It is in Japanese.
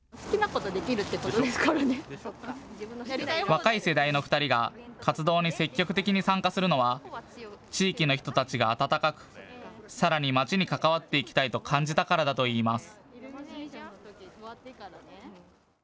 若い世代の２人が活動に積極的に参加するのは地域の人たちが温かく、さらに街に関わっていきたいと感じたからだといいます。